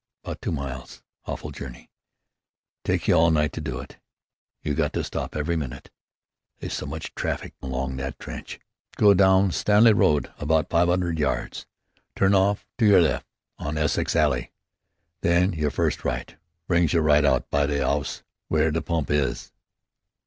"'Bout two miles. Awful journey! Tyke you all night to do it. You got to stop every minute, they's so much traffic along that trench. Go down Stanley Road about five 'unnerd yards, turn off to yer left on Essex Alley, then yer first right. Brings you right out by the 'ouse w'ere the pump is."